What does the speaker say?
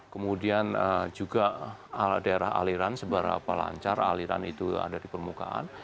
kemudian juga daerah aliran seberapa lancar aliran itu ada di permukaan